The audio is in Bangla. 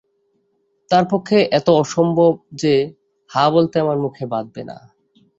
তার পক্ষে এতই অসম্ভব যে হাঁ বলতে আমার মুখে বাধবে না।